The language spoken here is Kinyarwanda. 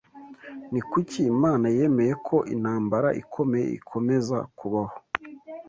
Ni kuki Imana yemeye ko intambara ikomeye ikomeza kubaho?